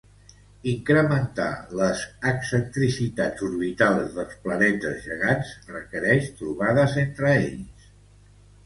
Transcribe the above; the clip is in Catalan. Incrementar les excentricitats orbitals dels planetes gegants requerix trobades entre ells.